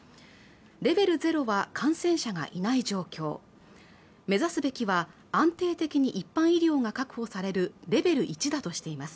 レベル０は感染者がいない状況目指すべきは安定的に一般医療が確保されるレベル１だとしています